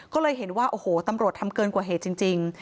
ก็เลยเห็นว่าโอ้โหตำรวจทำเกินกว่าเหตุจริง